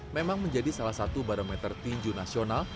memang menjadi salah satu barometer tinju nasional